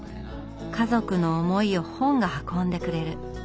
家族の思いを本が運んでくれる。